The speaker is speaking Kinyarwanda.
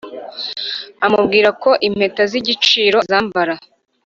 amubwira ko impeta zigiciro azambara